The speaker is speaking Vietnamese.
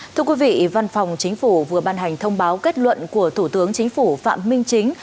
thưa quý vị văn phòng chính phủ vừa ban hành thông báo kết luận của thủ tướng chính phủ phạm minh chính